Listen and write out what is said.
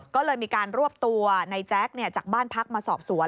ก็เลยมีการรวบตัวในแจ๊คจากบ้านพักมาสอบสวน